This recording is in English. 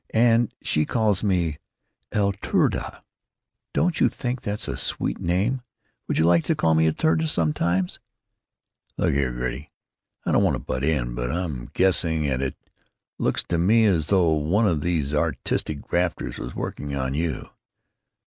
and she calls me 'Eltruda.' Don't you think that's a sweet name? Would you like to call me 'Eltruda,' sometimes?" "Look here, Gertie, I don't want to butt in, and I'm guessing at it, but looks to me as though one of these artistic grafters was working you.